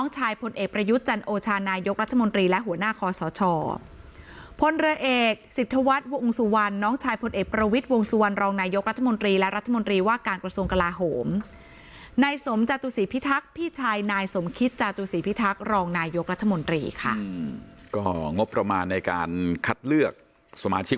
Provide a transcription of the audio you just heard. จุศีพิทักษ์รองนายยกรัฐมนตรีค่ะก็งบประมาณในการคัดเลือกสมาชิก